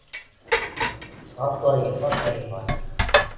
เพราะตัวเองก็เทบ่อย